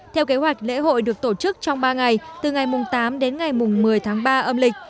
theo kế hoạch lễ hội được tổ chức trong ba ngày từ ngày tám đến ngày một mươi tháng ba âm lịch